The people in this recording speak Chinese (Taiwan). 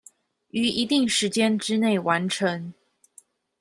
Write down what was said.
於一定時間之内完成